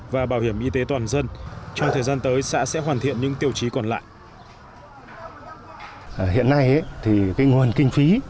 và bảo hiểm y tế toàn dân trong thời gian tới xã sẽ hoàn thiện những tiêu chí còn lại